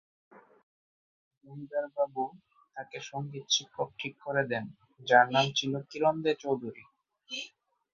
জমিদার বাবু তাকে সঙ্গীত শিক্ষক ঠিক করে দেন যার নাম ছিল কিরণ দে চৌধুরী।